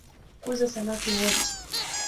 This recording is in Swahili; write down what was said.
Kuza samaki woti